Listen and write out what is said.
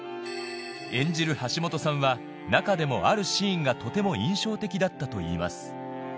演じる橋本さんは中でもあるシーンがとても印象的だったといいます